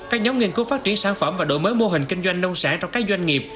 các nhóm nghiên cứu phát triển sản phẩm và đổi mới mô hình kinh doanh nông sản trong các doanh nghiệp